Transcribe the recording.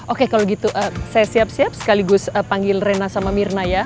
oke kalau gitu saya siap siap sekaligus panggil rena sama mirna ya